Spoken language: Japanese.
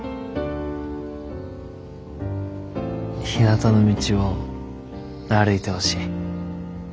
ひなたの道を歩いてほしい。